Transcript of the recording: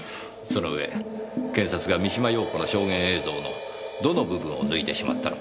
その上検察が三島陽子の証言映像のどの部分を抜いてしまったのか